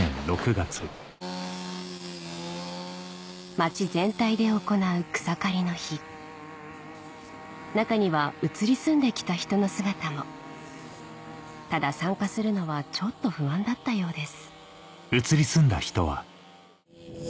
町全体で行う草刈りの日中には移り住んできた人の姿もただ参加するのはちょっと不安だったようです